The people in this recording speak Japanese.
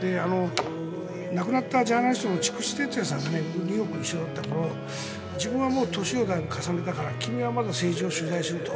亡くなったジャーナリストの筑紫哲也さんがニューヨークで一緒だった頃自分は年を重ねたから君はまだ政治を取材しろと。